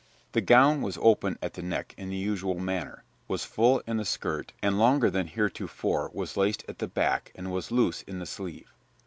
] The gown was open at the neck in the usual manner, was full in the skirt and longer than heretofore, was laced at the back, and was loose in the sleeve.